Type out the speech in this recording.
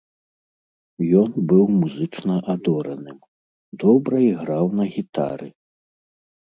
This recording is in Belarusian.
Ён быў музычна адораным, добра іграў на гітары.